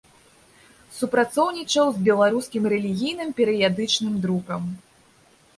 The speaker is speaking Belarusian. Супрацоўнічаў з беларускім рэлігійным перыядычным друкам.